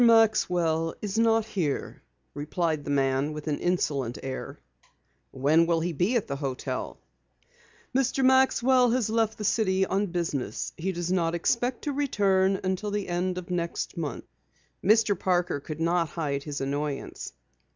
Maxwell is not here," replied the man with an insolent air. "When will he be at the hotel?" "Mr. Maxwell has left the city on business. He does not expect to return until the end of next month." Mr. Parker could not hide his annoyance.